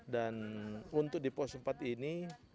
untuk di pos empat ini